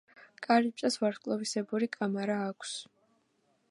კარიბჭეს ვარსკვლავისებური კამარა აქვს.